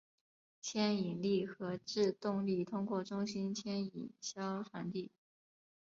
牵引力和制动力通过中心牵引销传递。